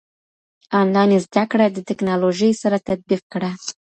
انلاين زده کړه د ټکنالوژۍ سره تطبیق کړه.